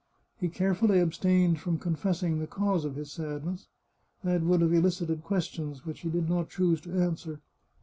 He carefully abstained from confessing the cause of his sadness ; that would have elicited questions which he did not choose to answer.